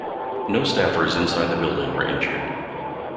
No staffers inside the building were injured.